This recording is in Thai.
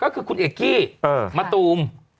ก็คือคุณเอกกี้มะตูม